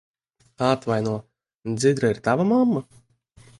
Atvaino, Dzidra ir tava mamma?